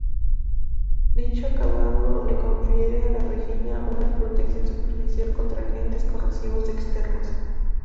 Dicho acabado le confiere a la rejilla una protección superficial contra agentes corrosivos externos.